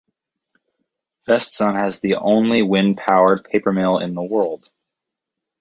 Westzaan has the only wind powered paper mill in the world.